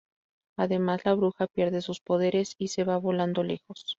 Además, la bruja pierde sus poderes y se va volando lejos.